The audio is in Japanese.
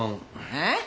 えっ！？